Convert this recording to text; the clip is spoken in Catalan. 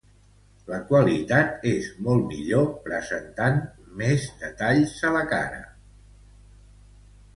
La qualitat és molt millor presentant més detalls a la cara del rei.